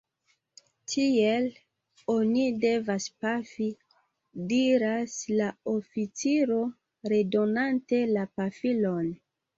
Tiel oni devas pafi, diras la oficiro, redonante la pafilon.